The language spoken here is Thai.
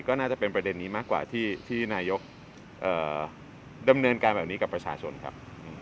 ก็น่าจะเป็นประเด็นนี้มากกว่าที่นายกดำเนินการแบบนี้กับประชาชนครับ